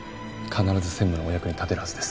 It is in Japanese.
必ず専務のお役に立てるはずです。